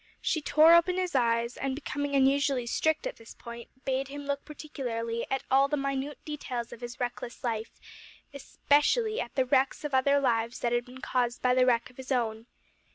She tore open his eyes and, becoming unusually strict at this point, bade him look particularly at all the minute details of his reckless life especially at the wrecks of other lives that had been caused by the wreck of his own.